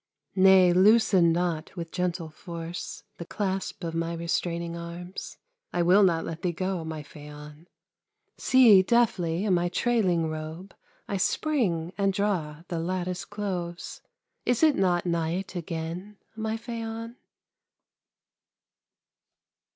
Nay, loosen not with gentle force The clasp of my restraining arms; I will not let thee go, my Phaon! See, deftly in my trailing robe I spring and draw the lattice close; Is it not night again, my Phaon?